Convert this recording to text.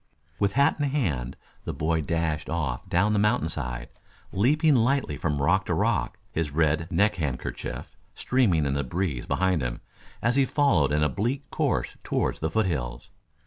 With hat in hand, the boy dashed off down the mountain side, leaping lightly from rock to rock, his red neck handkerchief streaming in the breeze behind him, as he followed an oblique course toward the foothills.